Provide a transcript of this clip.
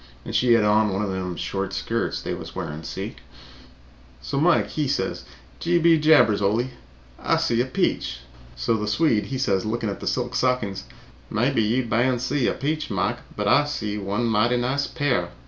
And she had on one of them short skirts they was wearing, see? So Mike he says 'Gee be jabbers, Ole, I see a peach.' So the Swede he says lookin' at the silk stockings, 'Mebby you ban see a peach, Mike, but I ban see one mighty nice pair.'